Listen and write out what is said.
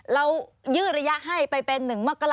เรายืดระยะให้ไปเป็นหนึ่งมากกระ